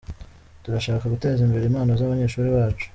Turashaka guteza imbere impano z’abanyeshuri bacu.